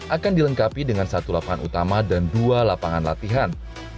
akan dilengkapi dengan satu lapangan utama dan dua lapangan latihan